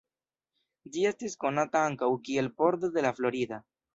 Ĝi estis konata ankaŭ kiel pordo de La Florida.